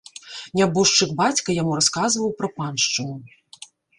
Нябожчык бацька яму расказваў пра паншчыну.